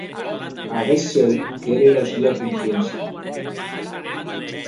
Aguest cèu qu’ère era sua consciéncia.